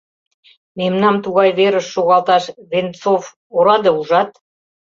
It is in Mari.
— Мемнам тугай верыш шогалташ Венцов ораде, ужат».